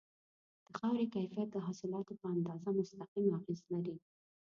د خاورې کیفیت د حاصلاتو په اندازه مستقیم اغیز لري.